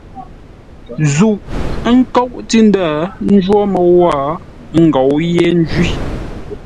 Zûʼ, ə́ nkóʼ tʉ́ ndə̂ ńjwó môu wə̂, ə́ ngou yé ńjwí.